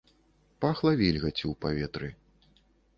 Пахла вільгаццю ў паветры.